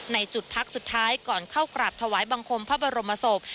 ในจุดพักสุดท้ายก่อนเข้ากราบถวายบังคมพระบรมศพ